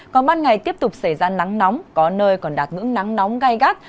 còn ban ngày tiếp tục xảy ra nắng nóng có nơi còn đạt ngưỡng nắng nóng gai gắt